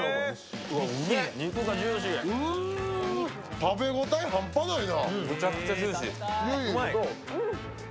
食べ応えハンパないな。